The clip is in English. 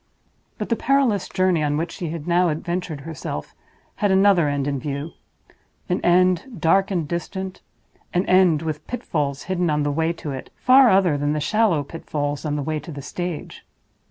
But the perilous journey on which she had now adventured herself had another end in view—an end, dark and distant—an end, with pitfalls hidden on the way to it, far other than the shallow pitfalls on the way to the stage.